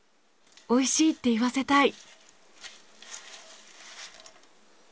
おいしいって言わせたい。